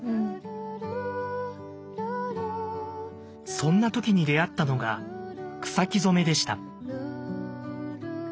そんな時に出会ったのが草木染めでした。